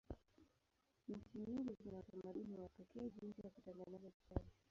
Nchi nyingi zina utamaduni wa pekee jinsi ya kutengeneza chai.